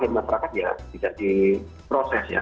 ya tidak diproses ya